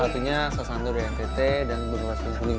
dan fungsinya so sandurya ntt dan bung rasul kuling